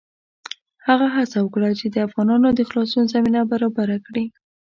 هغه هڅه وکړه چې د افغانانو د خلاصون زمینه برابره کړي.